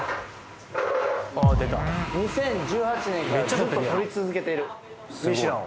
２０１８年からずっと取り続けてるミシュラン